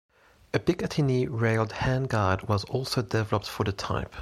A Picatinny railed handguard was also developed for the type.